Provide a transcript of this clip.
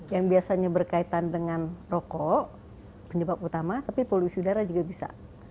yang biasanya berkaitan dengan rokok penyebab utama tapi polusi udara juga bisa